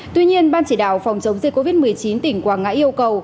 tuy nhiên ban chỉ đạo phòng chống dịch covid một mươi chín tỉnh quảng ngãi yêu cầu